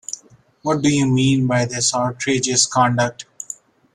What do you mean by this outrageous conduct.